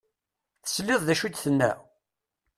Tesliḍ d acu i d-tenna?